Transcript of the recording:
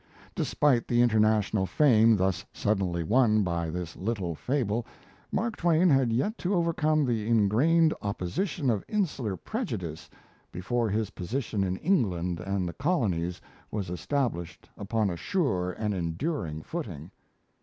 Despite the international fame thus suddenly won by this little fable, Mark Twain had yet to overcome the ingrained opposition of insular prejudice before his position in England and the colonies was established upon a sure and enduring footing.